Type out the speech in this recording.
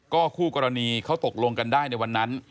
คู่กรณีเขาตกลงกันได้ในวันนั้น